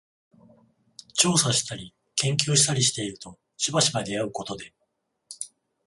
調査したり研究したりしているとしばしば出合うことで、